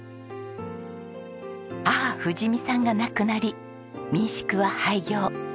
母ふじみさんが亡くなり民宿は廃業。